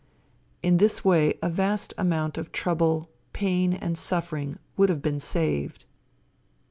In this way a vast amount of trouble, pain and suffering would have been saved.